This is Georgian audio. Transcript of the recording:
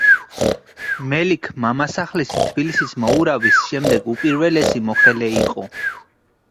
მელიქ-მამასახლისი თბილისის მოურავის შემდეგ უპირველესი მოხელე იყო.